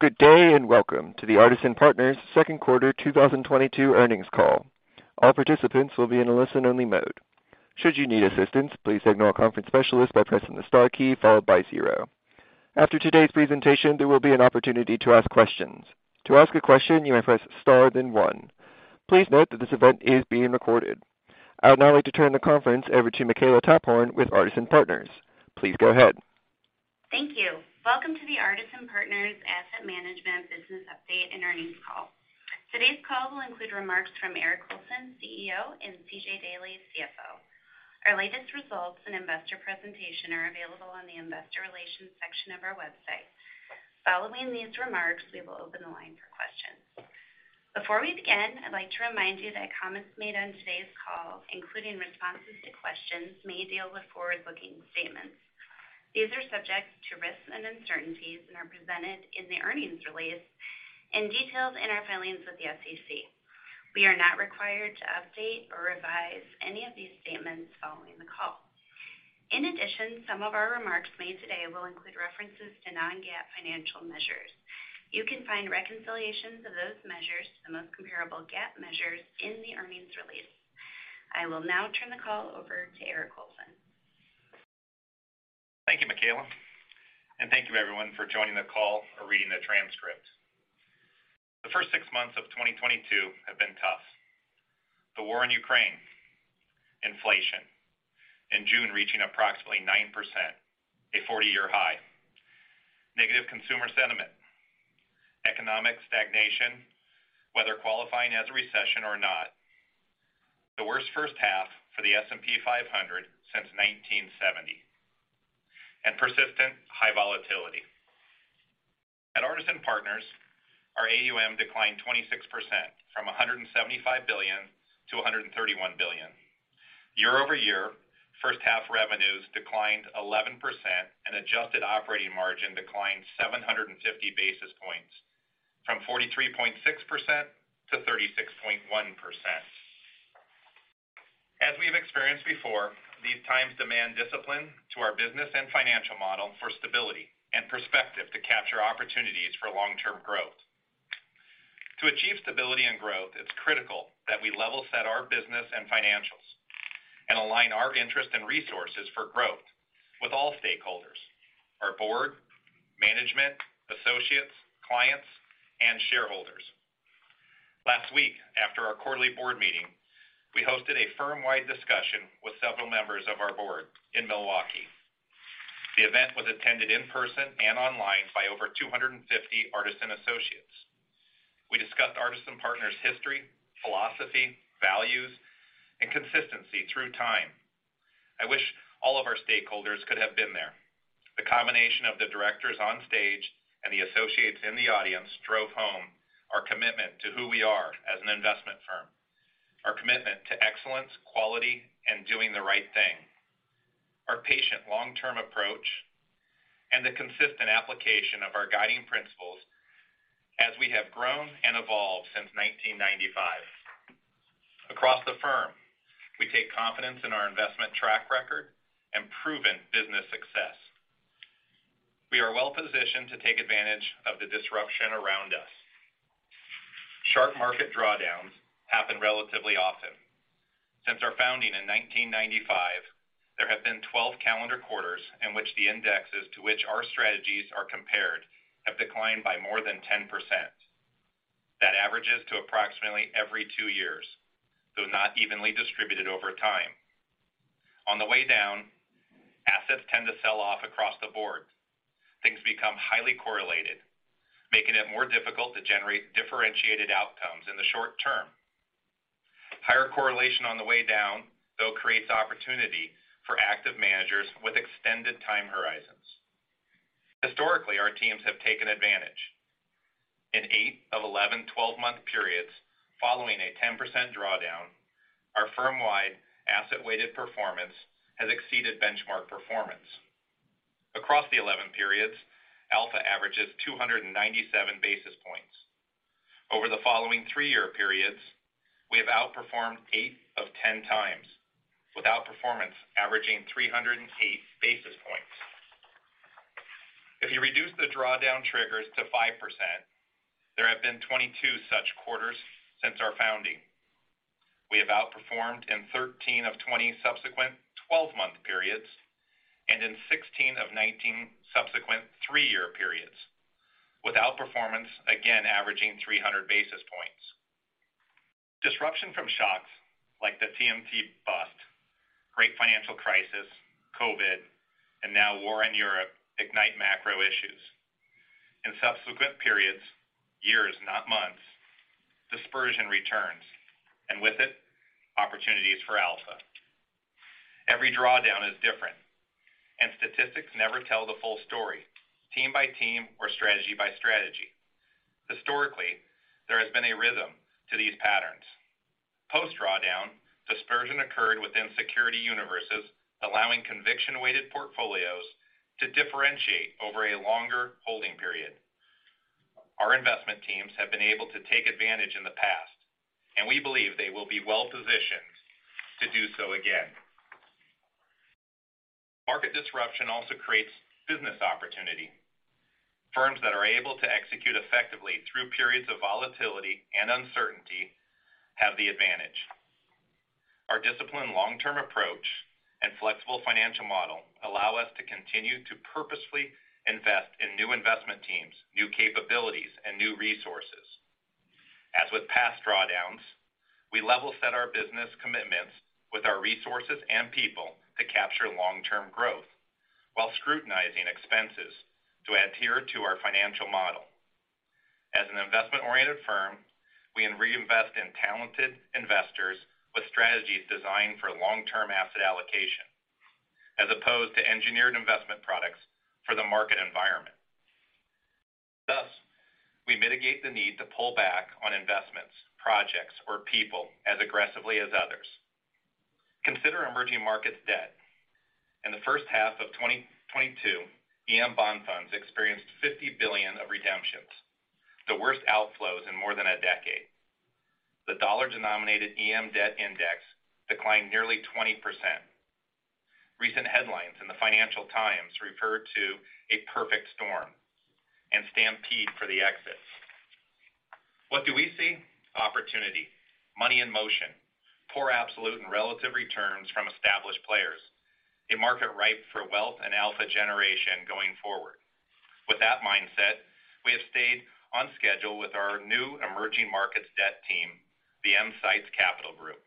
Good day, and welcome to the Artisan Partners second quarter 2022 earnings call. All participants will be in a listen-only mode. Should you need assistance, please signal a conference specialist by pressing the star key followed by zero. After today's presentation, there will be an opportunity to ask questions. To ask a question, you may press star then one. Please note that this event is being recorded. I would now like to turn the conference over to Makela Taphorn with Artisan Partners. Please go ahead. Thank you. Welcome to the Artisan Partners Asset Management business update and earnings call. Today's call will include remarks from Eric Colson, CEO, and C.J. Daley, CFO. Our latest results and investor presentation are available on the investor relations section of our website. Following these remarks, we will open the line for questions. Before we begin, I'd like to remind you that comments made on today's call, including responses to questions, may deal with forward-looking statements. These are subject to risks and uncertainties and are presented in the earnings release and detailed in our filings with the SEC. We are not required to update or revise any of these statements following the call. In addition, some of our remarks made today will include references to non-GAAP financial measures. You can find reconciliations of those measures to the most comparable GAAP measures in the earnings release. I will now turn the call over to Eric Colson. Thank you, Makela. Thank you everyone for joining the call or reading the transcript. The first six months of 2022 have been tough. The war in Ukraine, inflation in June reaching approximately 9%, a 40-year high, negative consumer sentiment, economic stagnation, whether qualifying as a recession or not, the worst first half for the S&P 500 since 1970, and persistent high volatility. At Artisan Partners, our AUM declined 26% from $175 billion-$131 billion. Year-over-year first half revenues declined 11% and adjusted operating margin declined 750 basis points from 43.6%-36.1%. As we've experienced before, these times demand discipline to our business and financial model for stability and perspective to capture opportunities for long-term growth. To achieve stability and growth, it's critical that we level set our business and financials and align our interest and resources for growth with all stakeholders, our board, management, associates, clients, and shareholders. Last week, after our quarterly board meeting, we hosted a firm-wide discussion with several members of our board in Milwaukee. The event was attended in person and online by over 250 Artisan associates. We discussed Artisan Partners' history, philosophy, values, and consistency through time. I wish all of our stakeholders could have been there. The combination of the directors on stage and the associates in the audience drove home our commitment to who we are as an investment firm, our commitment to excellence, quality, and doing the right thing, our patient long-term approach, and the consistent application of our guiding principles as we have grown and evolved since 1995. Across the firm, we take confidence in our investment track record and proven business success. We are well-positioned to take advantage of the disruption around us. Sharp market drawdowns happen relatively often. Since our founding in 1995, there have been 12 calendar quarters in which the indexes to which our strategies are compared have declined by more than 10%. That averages to approximately every two years, though not evenly distributed over time. On the way down, assets tend to sell off across the board. Things become highly correlated, making it more difficult to generate differentiated outcomes in the short term. Higher correlation on the way down, though, creates opportunity for active managers with extended time horizons. Historically, our teams have taken advantage. In eight of 11, 12-month periods following a 10% drawdown, our firm-wide asset-weighted performance has exceeded benchmark performance. Across the 11 periods, alpha averages 297 basis points. Over the following thre-year periods, we have outperformed eight of 10x, with outperformance averaging 308 basis points. If you reduce the drawdown triggers to 5%, there have been 22 such quarters since our founding. We have outperformed in 13 of 20 subsequent 12-month periods, and in 16 of 19 subsequent three-year periods, with outperformance again averaging 300 basis points. Disruption from shocks like the TMT bust, great financial crisis, COVID, and now war in Europe ignite macro issues. In subsequent periods, years, not months, dispersion returns, and with it, opportunities for alpha. Every drawdown is different, and statistics never tell the full story, team by team or strategy by strategy. Historically, there has been a rhythm to these patterns. Post-drawdown, dispersion occurred within security universes, allowing conviction-weighted portfolios to differentiate over a longer holding period. Our investment teams have been able to take advantage in the past, and we believe they will be well-positioned to do so again. Disruption also creates business opportunity. Firms that are able to execute effectively through periods of volatility and uncertainty have the advantage. Our disciplined long-term approach and flexible financial model allow us to continue to purposefully invest in new investment teams, new capabilities, and new resources. As with past drawdowns, we level set our business commitments with our resources and people to capture long-term growth while scrutinizing expenses to adhere to our financial model. As an investment-oriented firm, we reinvest in talented investors with strategies designed for long-term asset allocation, as opposed to engineered investment products for the market environment. Thus, we mitigate the need to pull back on investments, projects, or people as aggressively as others. Consider emerging markets debt. In the first half of 2022, EM bond funds experienced $50 billion of redemptions, the worst outflows in more than a decade. The dollar-denominated EM debt index declined nearly 20%. Recent headlines in the Financial Times refer to a perfect storm and stampede for the exits. What do we see? Opportunity, money in motion, poor, absolute, and relative returns from established players. A market ripe for wealth and alpha generation going forward. With that mindset, we have stayed on schedule with our new emerging markets debt team, the EMsights Capital Group.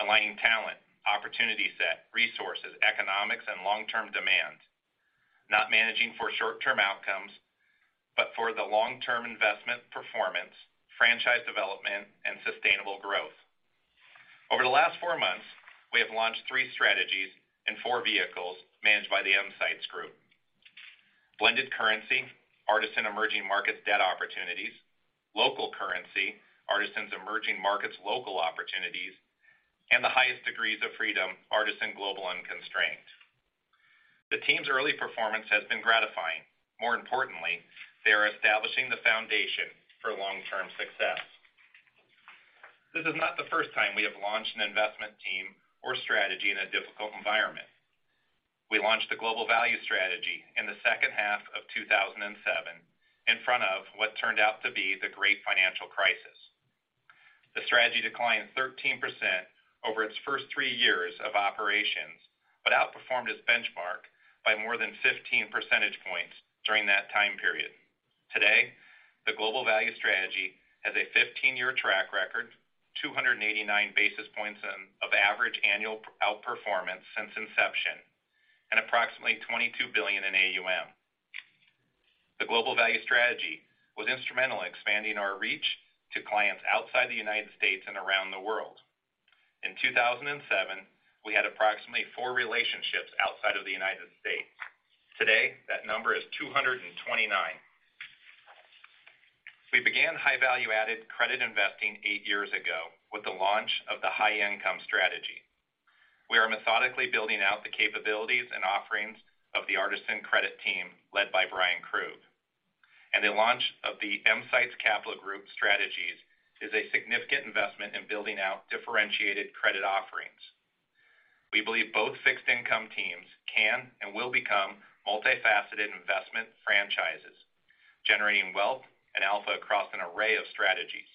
Aligning talent, opportunity set, resources, economics, and long-term demand, not managing for short-term outcomes, but for the long-term investment performance, franchise development, and sustainable growth. Over the last four months, we have launched three strategies in four vehicles managed by the EMsights Capital Group. Blended currency, Artisan Emerging Markets Debt Opportunities, local currency, Artisan Emerging Markets Local Opportunities, and the highest degrees of freedom, Artisan Global Unconstrained. The team's early performance has been gratifying. More importantly, they are establishing the foundation for long-term success. This is not the first time we have launched an investment team or strategy in a difficult environment. We launched the Artisan Global Value strategy in the second half of 2007 in front of what turned out to be the great financial crisis. The strategy declined 13% over its first three years of operations, but outperformed its benchmark by more than 15 percentage points during that time period. Today, the Global Value strategy has a 15-year track record, 289 basis points of average annual outperformance since inception, and approximately $22 billion in AUM. The Global Value strategy was instrumental in expanding our reach to clients outside the United States and around the world. In 2007, we had approximately four relationships outside of the United States. Today, that number is 229. We began high value-added credit investing eighht years ago with the launch of the High Income strategy. We are methodically building out the capabilities and offerings of the Artisan Partners Credit Team, led by Bryan Krug. The launch of the EMsights Capital Group strategies is a significant investment in building out differentiated credit offerings. We believe both fixed income teams can and will become multifaceted investment franchises, generating wealth and alpha across an array of strategies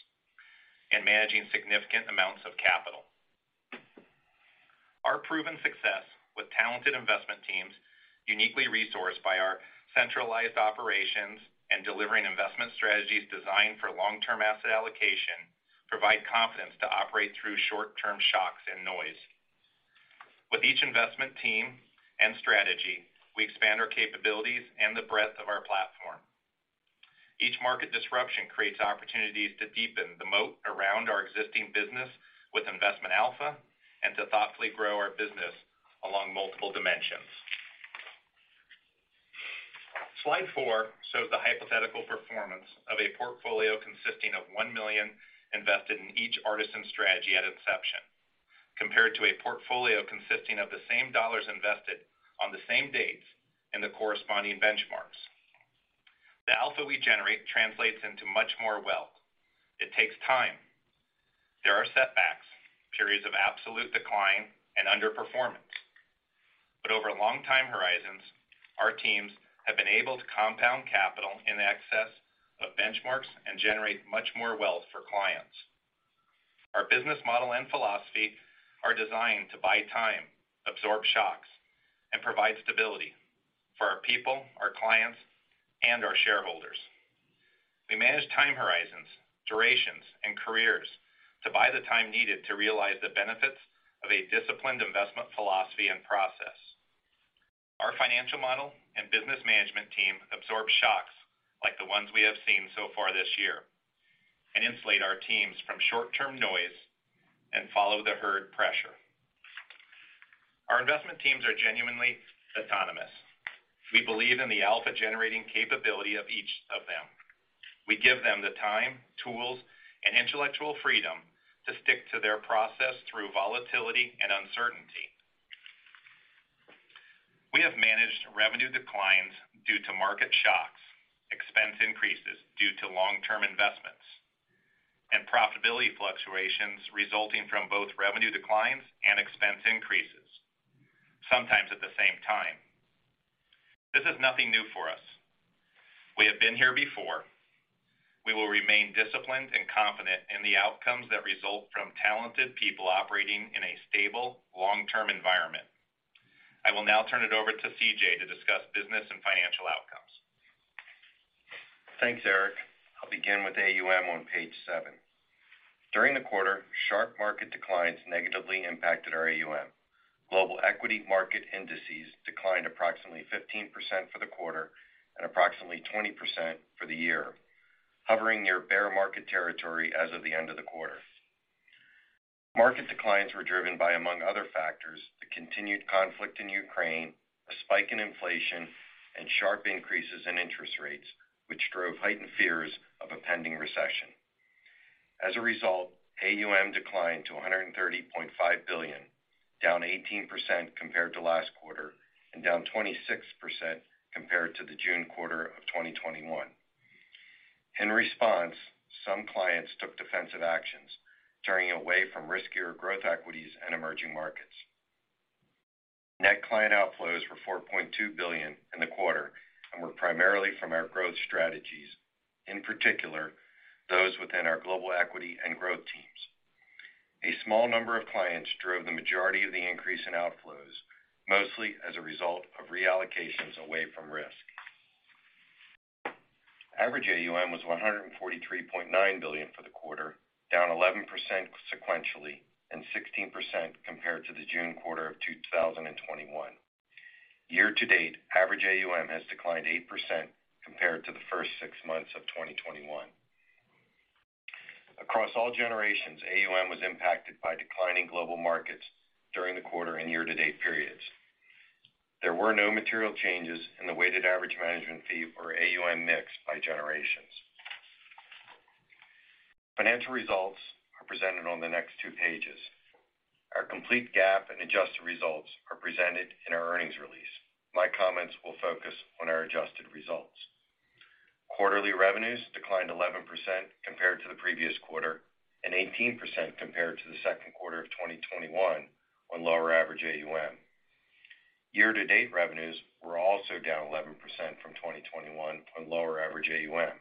and managing significant amounts of capital. Our proven success with talented investment teams, uniquely resourced by our centralized operations and delivering investment strategies designed for long-term asset allocation, provide confidence to operate through short-term shocks and noise. With each investment team and strategy, we expand our capabilities and the breadth of our platform. Each market disruption creates opportunities to deepen the moat around our existing business with investment alpha and to thoughtfully grow our business along multiple dimensions. Slide four shows the hypothetical performance of a portfolio consisting of $1 million invested in each Artisan strategy at inception, compared to a portfolio consisting of the same dollars invested on the same dates in the corresponding benchmarks. The alpha we generate translates into much more wealth. It takes time. There are setbacks, periods of absolute decline, and underperformance. Over long time horizons, our teams have been able to compound capital in excess of benchmarks and generate much more wealth for clients. Our business model and philosophy are designed to buy time, absorb shocks, and provide stability for our people, our clients, and our shareholders. We manage time horizons, durations, and careers to buy the time needed to realize the benefits of a disciplined investment philosophy and process. Our financial model and business management team absorb shocks like the ones we have seen so far this year, and insulate our teams from short-term noise and follow-the-herd pressure. Our investment teams are genuinely autonomous. We believe in the alpha-generating capability of each of them. We give them the time, tools, and intellectual freedom to stick to their process through volatility and uncertainty. We have managed revenue declines due to market shocks, expense increases due to long-term investments, ability fluctuations resulting from both revenue declines and expense increases, sometimes at the same time. This is nothing new for us. We have been here before. We will remain disciplined and confident in the outcomes that result from talented people operating in a stable long-term environment. I will now turn it over to C.J. to discuss business and financial outcomes. Thanks, Eric. I'll begin with AUM on page seven. During the quarter, sharp market declines negatively impacted our AUM. Global equity market indices declined approximately 15% for the quarter and approximately 20% for the year, hovering near bear market territory as of the end of the quarter. Market declines were driven by, among other factors, the continued conflict in Ukraine, a spike in inflation, and sharp increases in interest rates, which drove heightened fears of impending recession. As a result, AUM declined to $130.5 billion, down 18% compared to last quarter and down 26% compared to the June quarter of 2021. In response, some clients took defensive actions, turning away from riskier growth equities and emerging markets. Net client outflows were $4.2 billion in the quarter and were primarily from our growth strategies, in particular, those within our global equity and growth teams. A small number of clients drove the majority of the increase in outflows, mostly as a result of reallocations away from risk. Average AUM was $143.9 billion for the quarter, down 11% sequentially and 16% compared to the June quarter of 2021. Year to date, average AUM has declined 8% compared to the first six months of 2021. Across all generations, AUM was impacted by declining global markets during the quarter and year to date periods. There were no material changes in the weighted average management fee or AUM mix by generations. Financial results are presented on the next two pages. Our complete GAAP and adjusted results are presented in our earnings release. My comments will focus on our adjusted results. Quarterly revenues declined 11% compared to the previous quarter and 18% compared to the second quarter of 2021 on lower average AUM. Year-to-date revenues were also down 11% from 2021 on lower average AUM.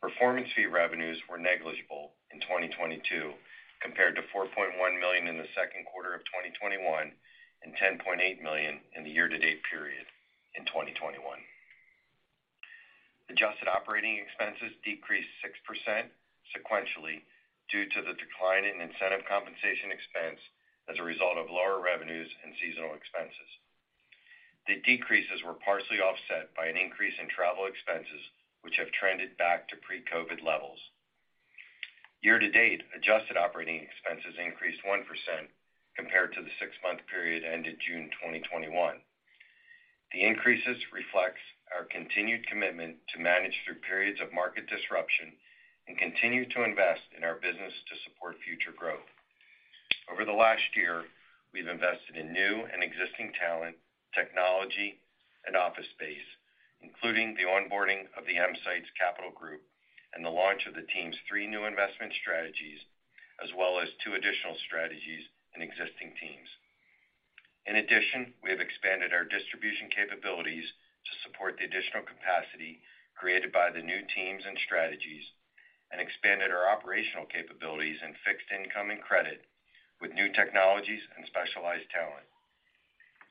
Performance fee revenues were negligible in 2022 compared to $4.1 million in the second quarter of 2021 and $10.8 million in the year-to-date period in 2021. Adjusted operating expenses decreased 6% sequentially due to the decline in incentive compensation expense as a result of lower revenues and seasonal expenses. The decreases were partially offset by an increase in travel expenses, which have trended back to pre-COVID levels. Year to date, adjusted operating expenses increased 1% compared to the six-month period ended June 2021. The increases reflects our continued commitment to manage through periods of market disruption and continue to invest in our business to support future growth. Over the last year, we've invested in new and existing talent, technology, and office space, including the onboarding of the EMsights Capital Group and the launch of the team's three new investment strategies, as well as two additional strategies in existing teams. In addition, we have expanded our distribution capabilities to support the additional capacity created by the new teams and strategies, and expanded our operational capabilities in fixed income and credit with new technologies and specialized talent.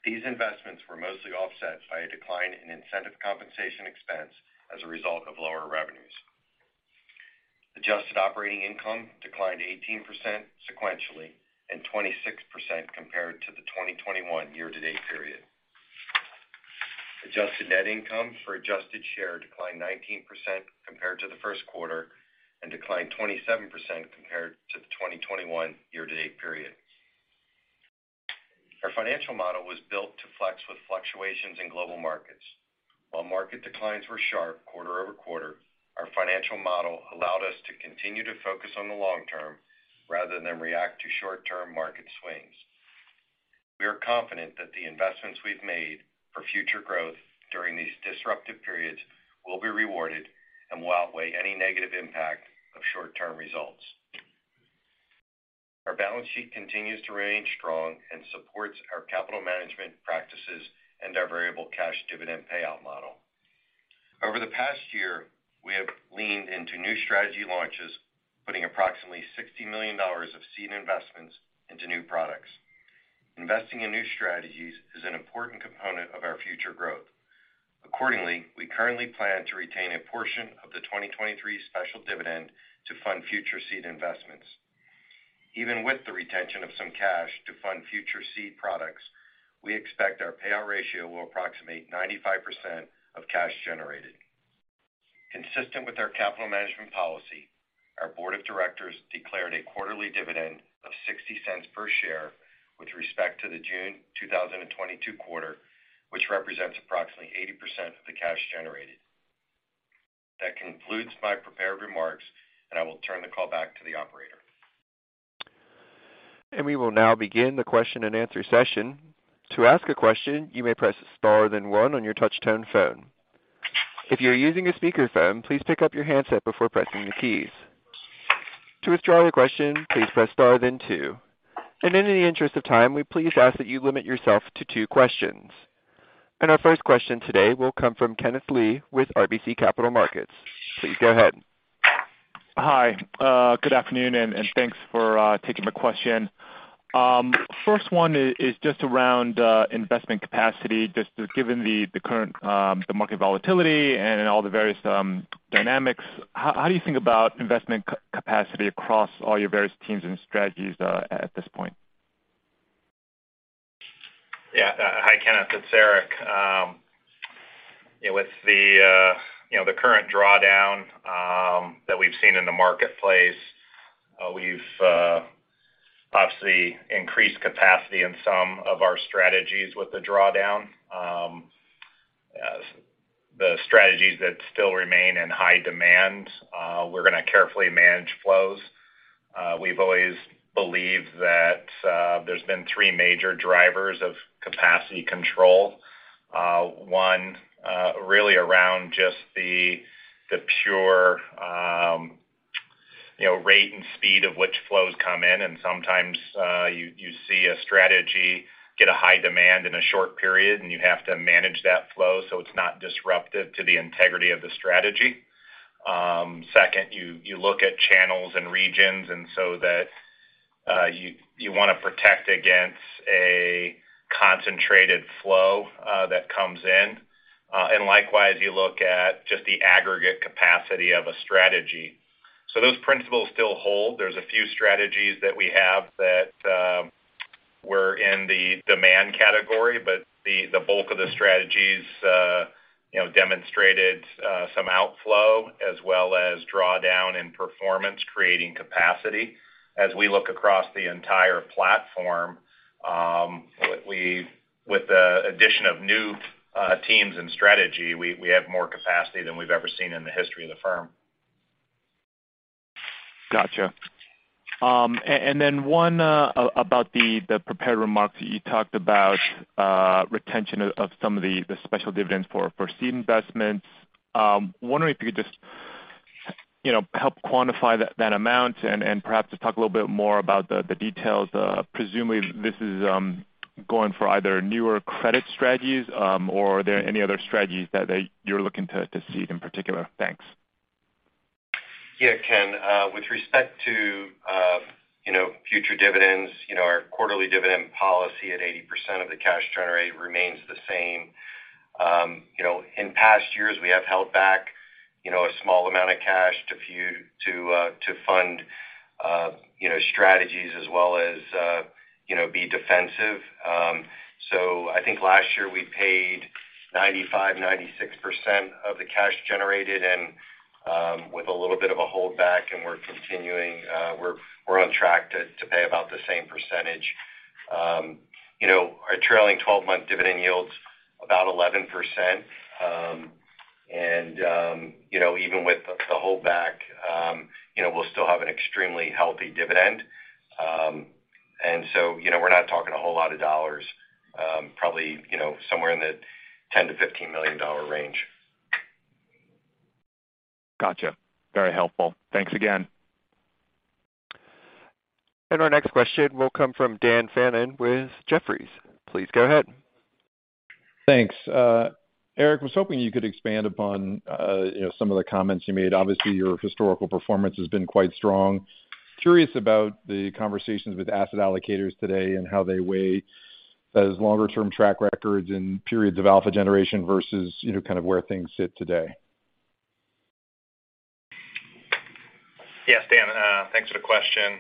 These investments were mostly offset by a decline in incentive compensation expense as a result of lower revenues. Adjusted operating income declined 18% sequentially and 26% compared to the 2021 year-to-date period. Adjusted net income per adjusted share declined 19% compared to the first quarter and declined 27% compared to the 2021 year-to-date period. Our financial model was built to flex with fluctuations in global markets. While market declines were sharp quarter-over-quarter, our financial model allowed us to continue to focus on the long-term rather than react to short-term market swings. We are confident that the investments we've made for future growth during these disruptive periods will be rewarded and will outweigh any negative impact of short-term results. Our balance sheet continues to remain strong and supports our capital management practices and our variable cash dividend payout model. Over the past year, we have leaned into new strategy launches, putting approximately $60 million of seed investments into new products. Investing in new strategies is an important component of our future growth. Accordingly, we currently plan to retain a portion of the 2023 special dividend to fund future seed investments. Even with the retention of some cash to fund future seed products, we expect our payout ratio will approximate 95% of cash generated. Consistent with our capital management policy, our board of directors declared a quarterly dividend of $0.60 per share with respect to the June 2022 quarter, which represents approximately 80% of the cash generated. That concludes my prepared remarks, and I will turn the call back to the operator. We will now begin the question-and-answer session. To ask a question, you may press star then one on your touchtone phone. If you're using a speakerphone, please pick up your handset before pressing the keys. To withdraw your question, please press star then two. In the interest of time, we please ask that you limit yourself to two questions. Our first question today will come from Kenneth Lee with RBC Capital Markets. Please go ahead. Hi, good afternoon, and thanks for taking the question. First one is just around investment capacity. Just given the current market volatility and all the various dynamics, how do you think about investment capacity across all your various teams and strategies at this point? Yeah. Hi, Kenneth, it's Eric. Yeah, with the, you know, the current drawdown, that we've seen in the marketplace, we've obviously increased capacity in some of our strategies with the drawdown. The strategies that still remain in high demand, we're gonna carefully manage flows. We've always believed that, there's been three major drivers of capacity control. One, really around just the pure, you know, rate and speed of which flows come in. Sometimes, you see a strategy get a high demand in a short period, and you have to manage that flow, so it's not disruptive to the integrity of the strategy. Second, you look at channels and regions, and so that, you wanna protect against a concentrated flow, that comes in. Likewise, you look at just the aggregate capacity of a strategy. Those principles still hold. There's a few strategies that we have that were in the demand category, but the bulk of the strategies, you know, demonstrated some outflow as well as drawdown and performance creating capacity. As we look across the entire platform, with the addition of new teams and strategy, we have more capacity than we've ever seen in the history of the firm. Gotcha. One about the prepared remarks. You talked about retention of some of the special dividends for seed investments. Wondering if you could just, you know, help quantify that amount and perhaps just talk a little bit more about the details. Presumably, this is going for either newer credit strategies, or are there any other strategies you're looking to seed in particular? Thanks. Yeah, Ken, with respect to, you know, future dividends, you know, our quarterly dividend policy at 80% of the cash generated remains the same. You know, in past years, we have held back, you know, a small amount of cash to fund, you know, strategies as well as, you know, be defensive. I think last year, we paid 95%, 96% of the cash generated and, with a little bit of a holdback, and we're continuing, we're on track to pay about the same percentage. You know, our trailing 12-month dividend yield's about 11%. You know, even with the holdback, you know, we'll still have an extremely healthy dividend. You know, we're not talking a whole lot of dollars, probably, you know, somewhere in the $10 million-$15 million range. Gotcha. Very helpful. Thanks again. Our next question will come from Dan Fannon with Jefferies. Please go ahead. Thanks. Eric, I was hoping you could expand upon, you know, some of the comments you made. Obviously, your historical performance has been quite strong. Curious about the conversations with asset allocators today and how they weigh those longer-term track records and periods of alpha generation versus, you know, kind of where things sit today? Yes, Dan, thanks for the question.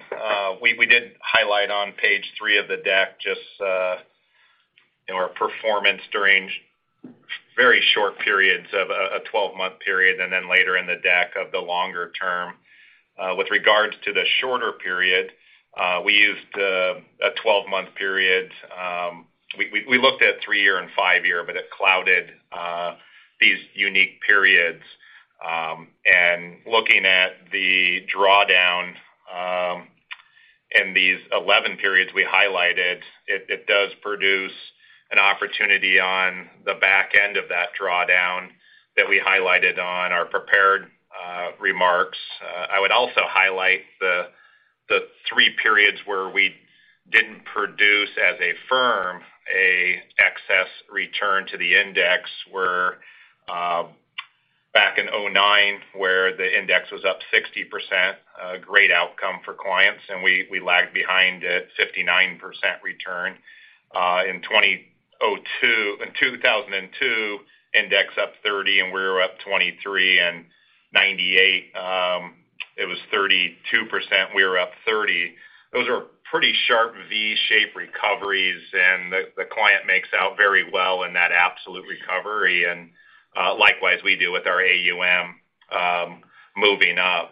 We did highlight on page three of the deck just our performance during very short periods of a 12-month period, and then later in the deck of the longer term. With regards to the shorter period, we used a 12-month period. We looked at three-year and five-year, but it cluttered these unique periods. Looking at the drawdown in these 11 periods we highlighted, it does produce an opportunity on the back end of that drawdown that we highlighted on our prepared remarks. I would also highlight the three periods where we didn't produce as a firm a excess return to the index, where back in 2009, where the index was up 60%, a great outcome for clients, and we lagged behind at 59% return. In 2002, index up 30%, and we were up 23%. 1998, it was 32%, we were up 30%. Those are pretty sharp V-shaped recoveries, and the client makes out very well in that absolute recovery. Likewise, we do with our AUM moving up.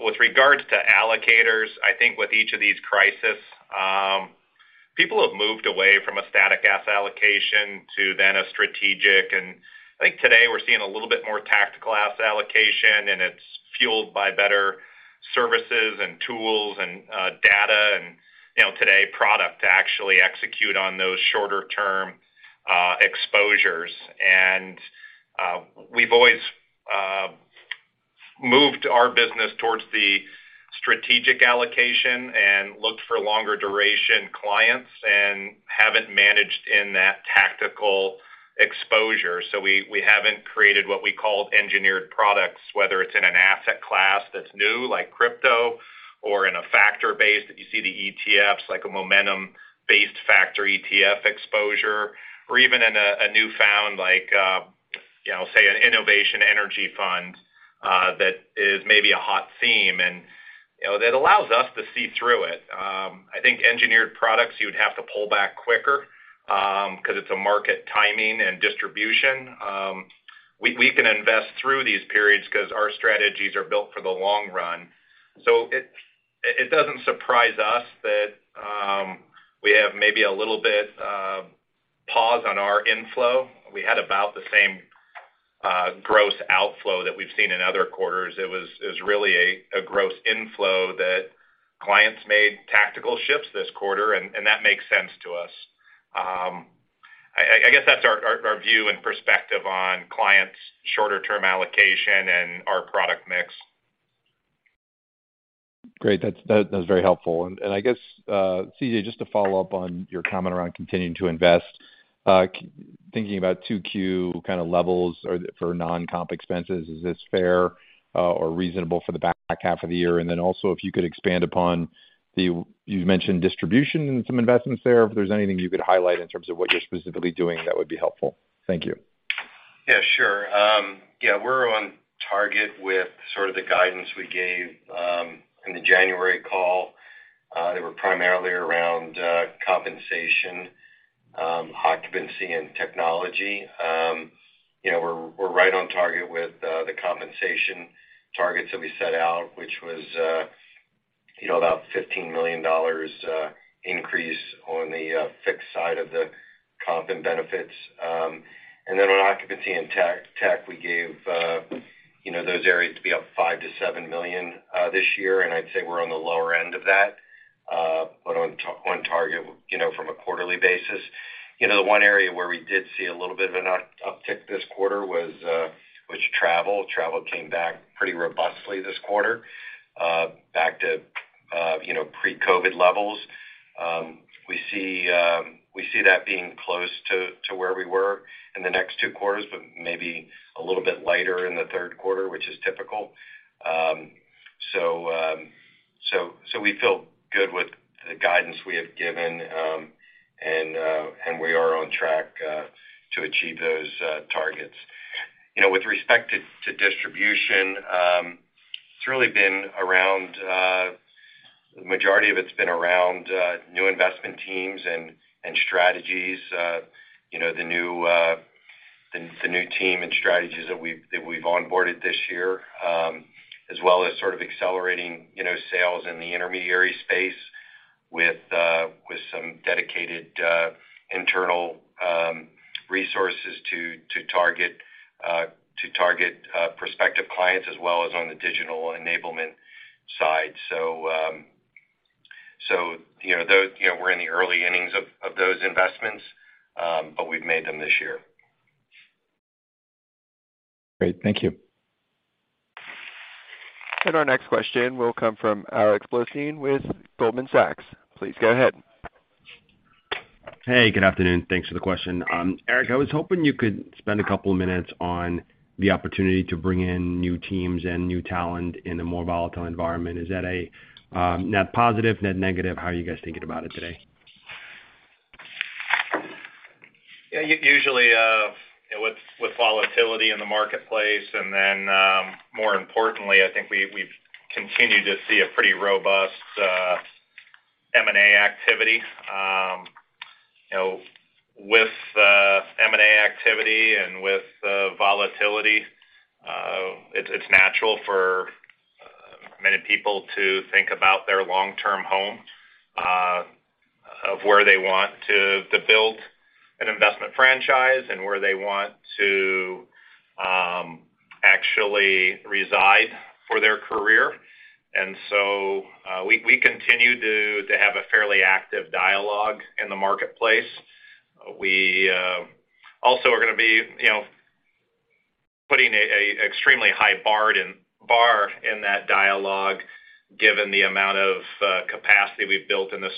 With regards to allocators, I think with each of these crisis, people have moved away from a static asset allocation to then a strategic. I think today we're seeing a little bit more tactical asset allocation, and it's fueled by better services and tools and data and, you know, today's products to actually execute on those shorter-term exposures. We've always moved our business towards the strategic allocation and looked for longer duration clients and haven't managed in that tactical exposure. We haven't created what we call engineered products, whether it's in an asset class that's new, like crypto, or in a factor-based, if you see the ETFs, like a momentum-based factor ETF exposure, or even in a newfound like, you know, say, an innovation energy fund that is maybe a hot theme, and, you know, that allows us to see through it. I think engineered products, you would have to pull back quicker, 'cause it's a market timing and distribution. We can invest through these periods 'cause our strategies are built for the long run. It doesn't surprise us that we have maybe a little bit pause on our inflow. We had about the same gross outflow that we've seen in other quarters. It was really a gross inflow that clients made tactical shifts this quarter, and that makes sense to us. I guess that's our view and perspective on clients' shorter-term allocation and our product mix. Great. That is very helpful. I guess, C.J., just to follow up on your comment around continuing to invest, thinking about 2Q kind of levels or for non-comp expenses, is this fair or reasonable for the back half of the year? If you could expand upon the.,you've mentioned distribution and some investments there? If there's anything you could highlight in terms of what you're specifically doing, that would be helpful. Thank you. Yeah, sure. Yeah, we're on target with sort of the guidance we gave in the January call. They were primarily around compensation, occupancy, and technology. You know, we're right on target with the compensation targets that we set out, which was you know, about $15 million increase on the fixed side of the comp and benefits. On occupancy and tech, we gave you know, those areas to be up $5 million-$7 million this year, and I'd say we're on the lower end of that, but on target, you know, from a quarterly basis. You know, the one area where we did see a little bit of an uptick this quarter was travel. Travel came back pretty robustly this quarter, back to you know, pre-COVID levels. We see that being close to where we were in the next two quarters, but maybe a little bit lighter in the third quarter, which is typical. We feel good with the guidance we have given, and we are on track to achieve those targets. You know, with respect to distribution, it's really been around the majority of it's been around new investment teams and strategies, you know, the new team and strategies that we've onboarded this year, as well as sort of accelerating, you know, sales in the intermediary space with some dedicated internal resources to target prospective clients as well as on the digital enablement side. You know, we're in the early innings of those investments, but we've made them this year. Great. Thank you. Our next question will come from Alex Blostein with Goldman Sachs. Please go ahead. Hey, good afternoon. Thanks for the question. Eric, I was hoping you could spend a couple of minutes on the opportunity to bring in new teams and new talent in a more volatile environment. Is that a net positive, net negative? How are you guys thinking about it today? Usually, with volatility in the marketplace, then, more importantly, I think we've continued to see a pretty robust M&A activity. You know, with M&A activity and with volatility, it's natural for many people to think about their long-term home of where they want to build an investment franchise and where they want to actually reside for their career. We continue to have a fairly active dialogue in the marketplace. We also are gonna be, you know, putting an extremely high bar in that dialogue, given the amount of capacity we've built in the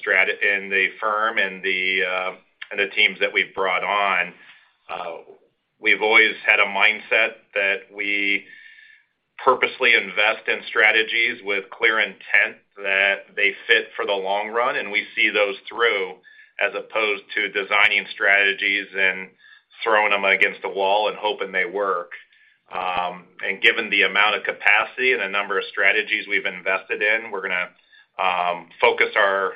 firm and the teams that we've brought on. We've always had a mindset that we purposely invest in strategies with clear intent that they fit for the long run, and we see those through as opposed to designing strategies and throwing them against the wall and hoping they work. Given the amount of capacity and the number of strategies we've invested in, we're gonna focus our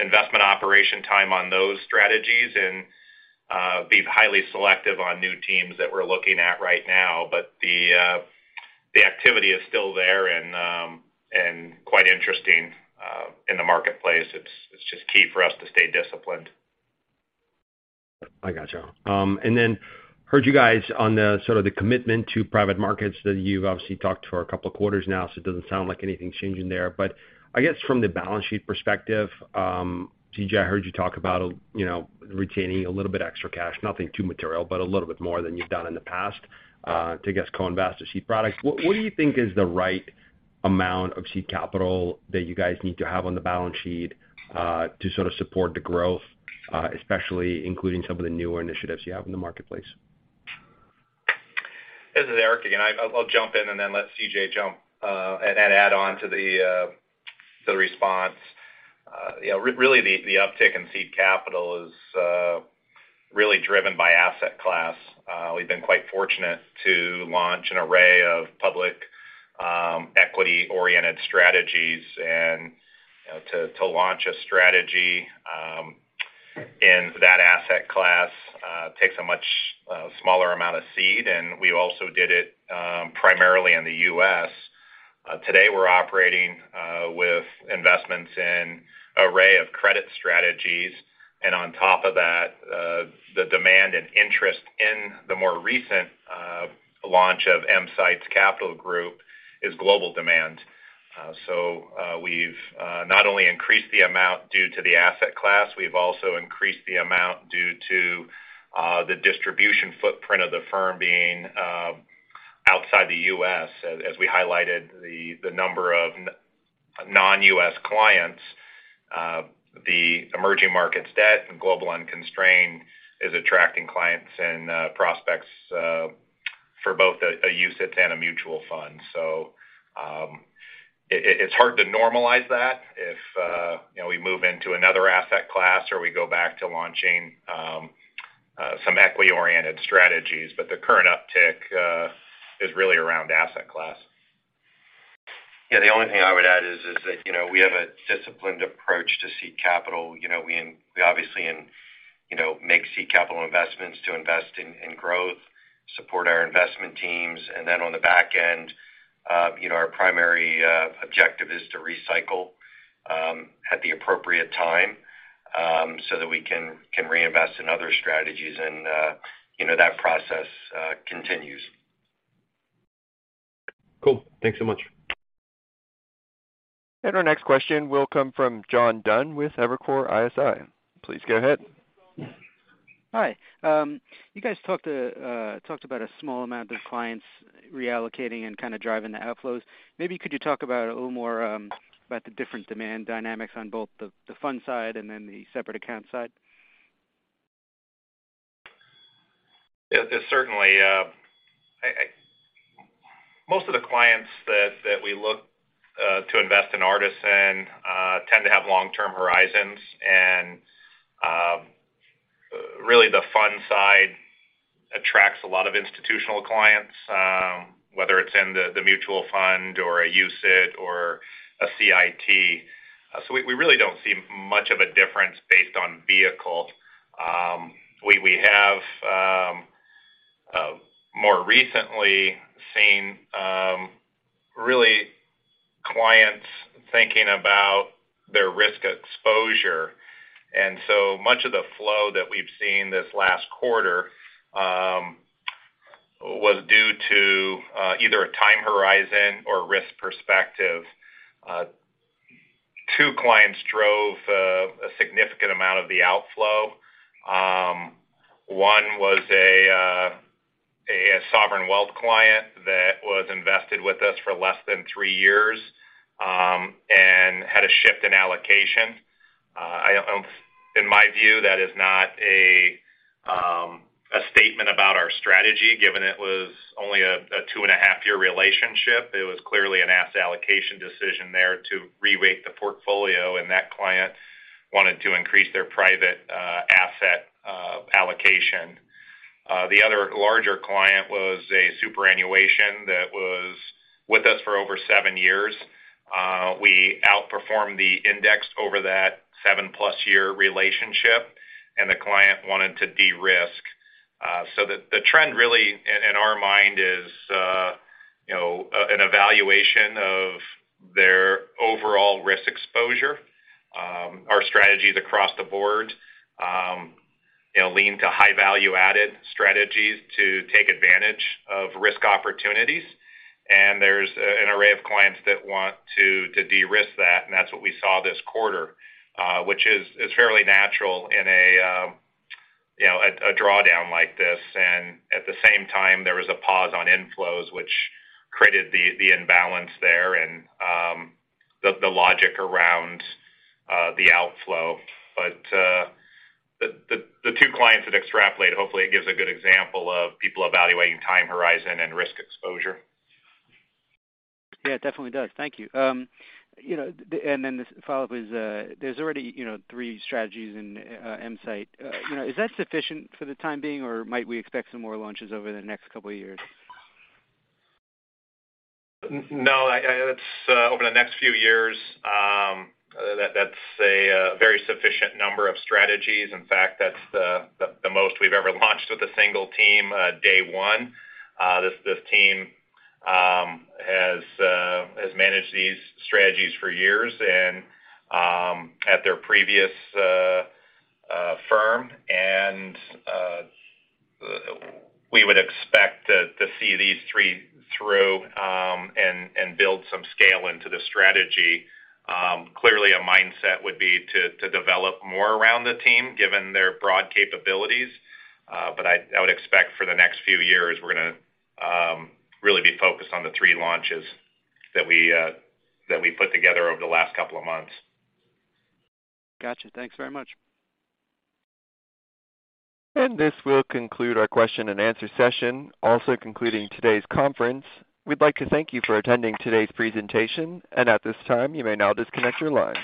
investment operation time on those strategies and be highly selective on new teams that we're looking at right now. The activity is still there and quite interesting in the marketplace. It's just key for us to stay disciplined. I gotcha. Then heard you guys on the sort of the commitment to private markets that you've obviously talked for a couple of quarters now, so it doesn't sound like anything's changing there. I guess from the balance sheet perspective, C.J., I heard you talk about, you know, retaining a little bit extra cash, nothing too material, but a little bit more than you've done in the past, to I guess co-invest in seed products. What do you think is the right amount of seed capital that you guys need to have on the balance sheet, to sort of support the growth, especially including some of the newer initiatives you have in the marketplace? This is Eric again. I'll jump in and then let C.J. jump and add on to the response. You know, really, the uptick in seed capital is really driven by asset class. We've been quite fortunate to launch an array of public equity-oriented strategies and, you know, to launch a strategy in that asset class takes a much smaller amount of seed. We also did it primarily in the U.S. Today we're operating with investments in an array of credit strategies. On top of that, the demand and interest in the more recent launch of EMsights Capital Group is global demand. We've not only increased the amount due to the asset class, we've also increased the amount due to the distribution footprint of the firm being outside the U.S. As we highlighted the number of non-U.S. clients, the emerging markets debt and global unconstrained is attracting clients and prospects for both a UCITS and a mutual fund. It's hard to normalize that if you know, we move into another asset class or we go back to launching some equity-oriented strategies. The current uptick is really around asset class. Yeah, the only thing I would add is that you know, we have a disciplined approach to seed capital. You know, we obviously you know, make seed capital investments to invest in growth, support our investment teams. Then on the back end, you know, our primary objective is to recycle at the appropriate time, so that we can reinvest in other strategies. You know, that process continues. Cool. Thanks so much. Our next question will come from John Dunn with Evercore ISI. Please go ahead. Hi. You guys talked about a small amount of clients reallocating and kinda driving the outflows. Maybe could you talk about a little more about the different demand dynamics on both the fund side and then the separate account side? Yeah. Certainly, most of the clients that we look to invest in Artisan tend to have long-term horizons and really the fund side attracts a lot of institutional clients, whether it's in the mutual fund or a UCITS or a CIT. We really don't see much of a difference based on vehicle. We have more recently seen really clients thinking about their risk exposure. Much of the flow that we've seen this last quarter was due to either a time horizon or risk perspective. Two clients drove a significant amount of the outflow. One was a sovereign wealth client that was invested with us for less than three years and had a shift in allocation. In my view, that is not a statement about our strategy, given it was only a 2.5-year relationship. It was clearly an asset allocation decision there to reweight the portfolio, and that client wanted to increase their private asset allocation. The other larger client was a superannuation that was with us for over seven years. We outperformed the index over that 7+ year relationship, and the client wanted to de-risk. The trend really in our mind is, you know, an evaluation of their overall risk exposure. Our strategies across the board, you know, lean to high value-added strategies to take advantage of risk opportunities. There's an array of clients that want to de-risk that, and that's what we saw this quarter, which is fairly natural in a you know a drawdown like this. At the same time, there was a pause on inflows, which created the imbalance there and the logic around the outflow. The two clients that extrapolate, hopefully it gives a good example of people evaluating time horizon and risk exposure. Yeah, it definitely does. Thank you. You know, this follow-up is, there's already, you know, three strategies in EMsights. You know, is that sufficient for the time being, or might we expect some more launches over the next couple of years? No, it's over the next few years, that's a very sufficient number of strategies. In fact, that's the most we've ever launched with a single team day one. This team has managed these strategies for years and at their previous firm. We would expect to see these three through and build some scale into the strategy. Clearly a mindset would be to develop more around the team, given their broad capabilities. I would expect for the next few years, we're gonna really be focused on the three launches that we put together over the last couple of months. Gotcha. Thanks very much. This will conclude our question and answer session, also concluding today's conference. We'd like to thank you for attending today's presentation. At this time, you may now disconnect your line.